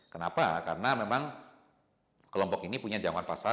kenapa karena memang kelompok ini punya jangkauan pasar